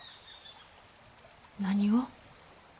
何を？